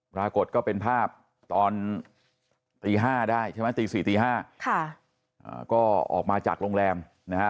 ปรากฏก็เป็นภาพตอนตี๕ได้ใช่ไหมตี๔ตี๕ค่ะก็ออกมาจากโรงแรมนะฮะ